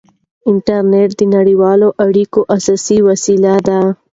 انټرنېټ د نړیوالو اړیکو اساسي وسیله ده.